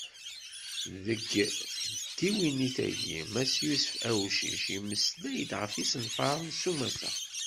Deg tdiwennit-agi, mass Yusef Awcic, yemmeslay-d ɣef yisenfaren s umata.